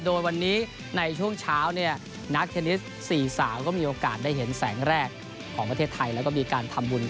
โดยวันนี้ในช่วงเช้าเนี่ย